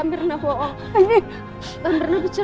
mbak aku gak bohongkan